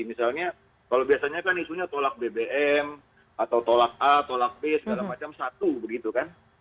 misalnya kalau biasanya kan isunya tolak bbm atau tolak a tolak b segala macam satu begitu kan